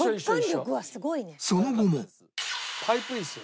その後も